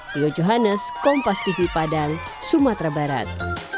tio johannes kompas tv padang sumatera barat